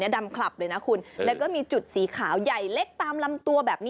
เดี๋ยว